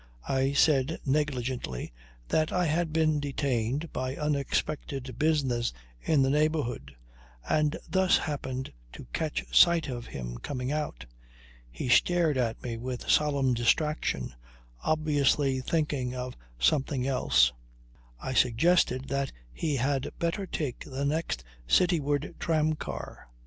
I said negligently that I had been detained by unexpected business in the neighbourhood, and thus happened to catch sight of him coming out. He stared at me with solemn distraction, obviously thinking of something else. I suggested that he had better take the next city ward tramcar.